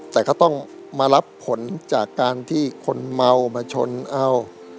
แต่ก็ต้องมารับผลจากการที่คนเมามาชนเอา